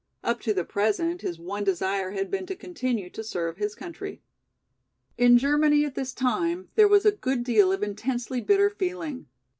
Up to the present his one desire had been to continue to serve his country. In Germany at this time there was a good deal of intensely bitter feeling.